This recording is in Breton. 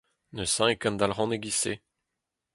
Neuze e kendalc'han e-giz-se.